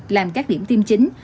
làm các điểm tiêm nhanh